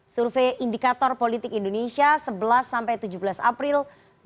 survei indikator politik indonesia sebelas tujuh belas april dua ribu dua puluh